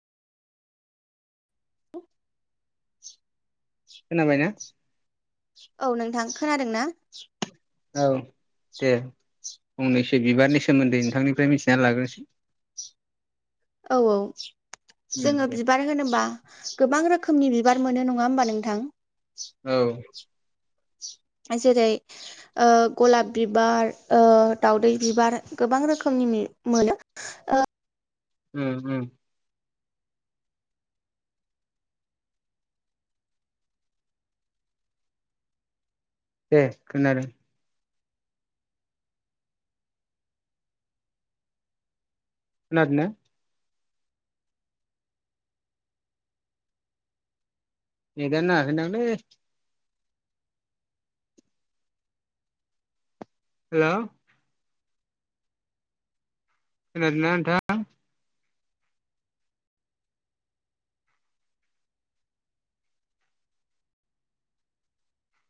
[inaudible] खोनाबायना औ नोंथां खोनादों ना औ दे फंनैसो बिबारनि सोमोन्दै नोंथांनिफ्राय मिथिनानै लाग्रोनोसै औ औ उम जोङो दे बिबार होनोबा गोबां रोखोमनि बिबार मोनो नङा होमबा नोंथां औ जेरै ओ गलाब बिबार ओ दाउदै बिबार गोबां रोखोमनि मोनो ओ उम उम दे खोनादों खोनादोना एगारनो हागोनदांलै हेल' खोनादोंना नोंथांआ